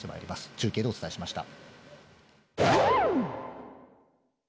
中継でお伝えしました。